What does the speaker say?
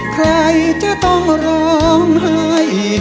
ใครจะต้องร้องไห้